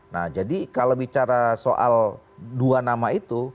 nah jadi kalau bicara soal dua nama itu